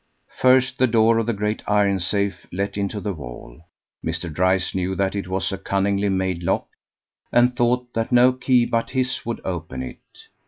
First the door of the great iron safe let into the wall. Mr. Dryce knew that it was a cunningly made lock, and thought that no key but his would open it.